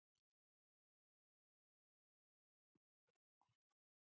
آیا دوی په ټوله نړۍ کې نه پلورل کیږي؟